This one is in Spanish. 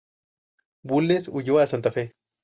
Bulnes huyó a Santa Fe.